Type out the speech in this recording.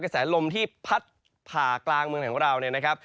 แสลมที่พัดผ่ากลางเมืองของเราเนี่ยนะครับ